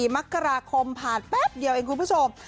มกราคมผ่านแป๊บเดียวเองคุณผู้ชม